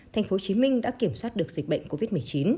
tp hcm đã kiểm soát được dịch bệnh covid một mươi chín